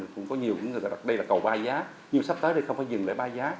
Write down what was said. cũng có nhiều những người ta đặt đây là cầu ba giá nhưng sắp tới đây không phải dừng lại ba giá